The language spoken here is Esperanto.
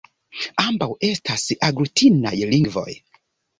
Ambaŭ estas aglutinaj lingvoj.